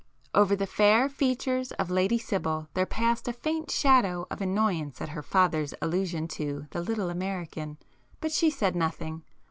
Over the fair features of Lady Sibyl there passed a faint shadow of annoyance at her father's allusion to the "little American," but she said nothing.